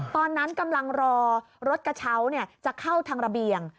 ตอนนั้นกำลังรอรถกระเช้าจะเข้าทางระเบียง